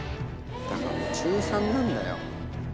だからもう中３なんだよ。